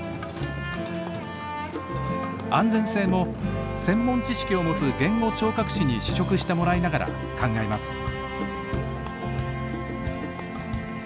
安全性も専門知識を持つ言語聴覚士に試食してもらいながら考えます。